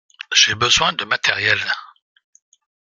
J’ai besoin de matériels.